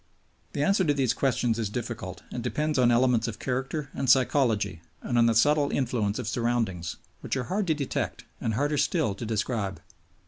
The answer to these questions is difficult and depends on elements of character and psychology and on the subtle influence of surroundings, which are hard to detect and harder still to describe.